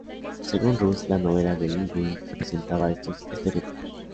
Según Russ, la novela de Le Guin representaba estos estereotipos.